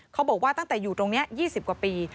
เขาบอกว่าตั้งแต่อยู่ตรงนี้๒๐กว่าปี